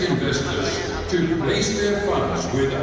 dan membuat perusahaan mereka memasuki keuntungan mereka dengan idx